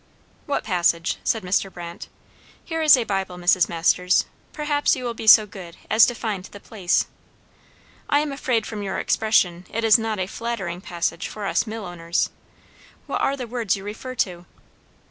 _" "What passage?" said Mr. Brandt. "Here is a Bible, Mrs. Masters; perhaps you will be so good as to find the place. I am afraid from your expression, it is not a flattering passage for us millowners. What are the words you refer to?"